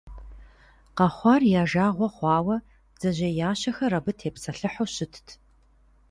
Къэхъуар я жагъуэ хъуауэ бдзэжьеящэхэр абы тепсэлъыхьу щытт.